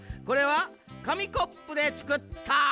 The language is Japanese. これはかみコップでつくった。